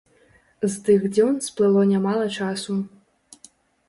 З тых дзён сплыло нямала часу.